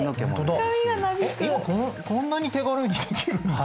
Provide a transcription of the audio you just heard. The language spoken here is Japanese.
今こんなに手軽にできるんだ。